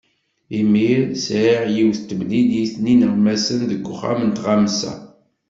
Imir sɛiɣ yiwet temlilit d yineɣmasen deg uxxam n tɣamsa.